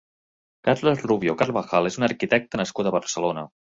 Carlos Rubio Carvajal és un arquitecte nascut a Barcelona.